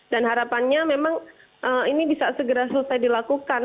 dan harapannya memang ini bisa segera selesai dilakukan